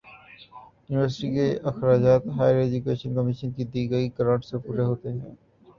یونیورسٹیوں کے اخراجات ہائیر ایجوکیشن کمیشن کی دی گئی گرانٹ سے پورے ہوتے ہیں۔